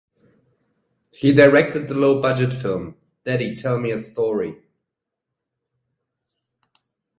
He directed the low-budget film "Daddy Tell Me A Story..."